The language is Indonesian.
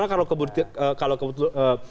karena kalau kebetulan